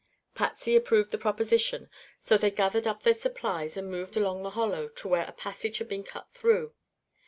Patsy approved the proposition, so they gathered up their supplies and moved along the hollow to where a passage had been cut through.